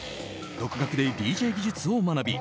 独学でＤＪ技術を学び